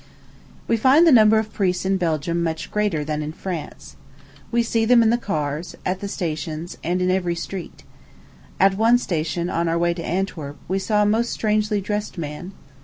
We find the number of priests in Belgium much greater than in France. We see them in the cars, at the stations, and in every street. At one station, on our way to Antwerp, we saw a most strangely dressed man.